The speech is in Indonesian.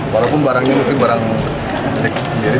walaupun barangnya mungkin barang sendiri